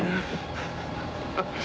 ハハハハ。